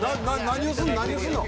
何をするの？